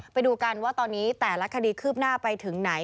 ไปดูกันว่าตอนนี้แต่ละคดีคืบหน้าไปถึงไหน